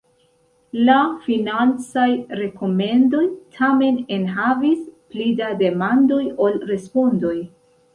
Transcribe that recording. La financaj rekomendoj tamen enhavis pli da demandoj ol respondoj.